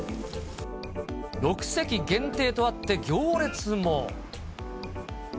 ６席限定とあって、行列も。